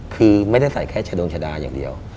คือไม่ได้ใส่แค่ชะดวงชะดาอย่างเดียว